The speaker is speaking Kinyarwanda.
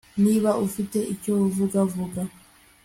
Niba ufite icyo uvuga vuga